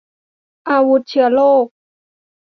อาวุธเชื้อโรค